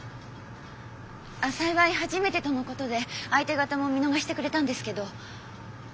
幸い初めてとのことで相手方も見逃してくれたんですけど。